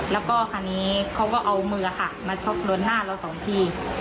แล้วก็คราวนี้เขาก็เอามือค่ะมาชกโดนหน้าเราสองที